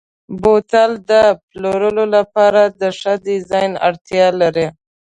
بوتل د پلور لپاره د ښه ډیزاین اړتیا لري.